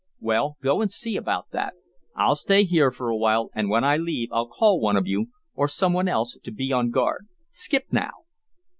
"Well, go and see about that. I'll stay here for a while, and when I leave I'll call one of you, or some one else, to be on guard. Skip now!"